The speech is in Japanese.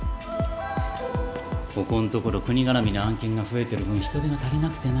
ここんところ国がらみの案件が増えてる分人手が足りなくてな。